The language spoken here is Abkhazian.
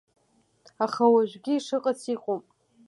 Аха уажәгьы ишыҟац иҟоуп.